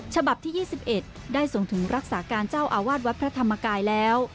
ฉบับที่๒๑ได้ส่งถึงรักษาการเจ้าอาวาสวัดพระธรรมกายแล้ว